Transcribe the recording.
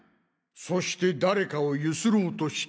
そして誰かをゆすろうとして。